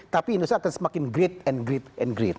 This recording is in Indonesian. tapi indonesia akan semakin great and great and great